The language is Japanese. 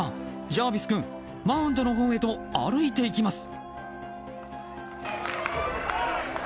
ジャービス君マウンドのほうへと歩いていきます。